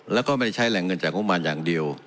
แล้วก็ไม่ใช้แหล่งเงินจากงงวัลอย่างเดียว